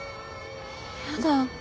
やだ。